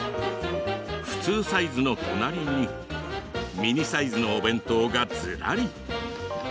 普通サイズの隣にミニサイズのお弁当がずらり。